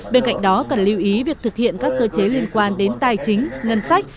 bên cạnh đó cần lưu ý việc thực hiện các cơ chế liên quan đến tài chính ngân sách